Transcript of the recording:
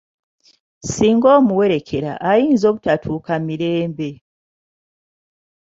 Singa omuwerekera ayinza obutatuuka mirembe